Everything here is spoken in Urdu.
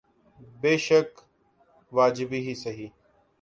بیشک واجبی سہی۔